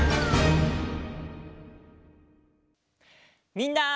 みんな。